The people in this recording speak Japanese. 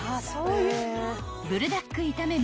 ［ブルダック炒め麺